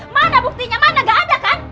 mana buktinya mana gak ada kan